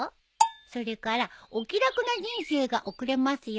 それから「お気楽な人生が送れますように」